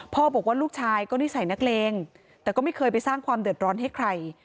บอกว่าลูกชายก็นิสัยนักเลงแต่ก็ไม่เคยไปสร้างความเดือดร้อนให้ใคร